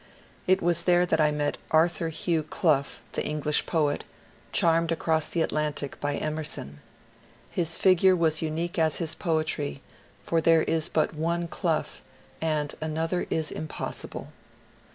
It was there that I met Arthur Hugh Clough, the English poet, charmed across the Atlantic by Emerson. His figure was unique as his poetry, for there is but one Clough, and another is impossible.